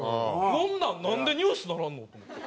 こんなんなんでニュースならんの？と思って。